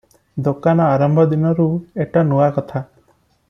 "ଦୋକାନ ଆରମ୍ଭ ଦିନରୁ ଏଟା ନୂଆକଥା ।